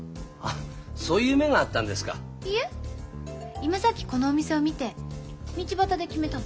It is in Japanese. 今さっきこのお店を見て道端で決めたの。